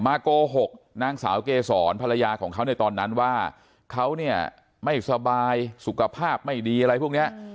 โกหกนางสาวเกษรภรรยาของเขาในตอนนั้นว่าเขาเนี่ยไม่สบายสุขภาพไม่ดีอะไรพวกนี้